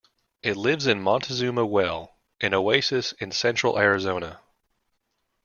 It lives in Montezuma Well, an oasis in central Arizona.